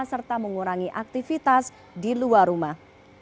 serta mengurangi aktivitas di luar rumah